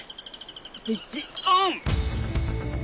スイッチオン！